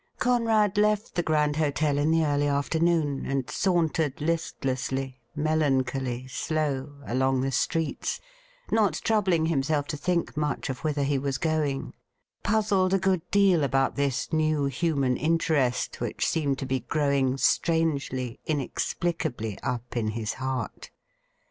Conrad left the Grand Hotel in the early afternoon, and sauntered listlessly, melancholy, slow, along the streets, not troubling himself to think much of whither he was going ; puzzled a good deal about this new human interest which seemed to be growing strangely, inexplicably, up in his heart.